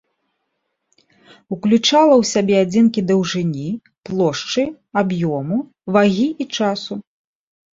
Уключала ў сябе адзінкі даўжыні, плошчы, аб'ёму, вагі і часу.